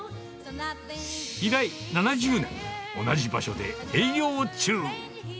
以来７０年、同じ場所で営業中。